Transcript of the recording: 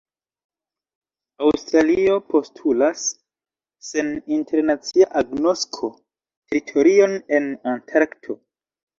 Aŭstralio postulas, sen internacia agnosko, teritorion en Antarkto.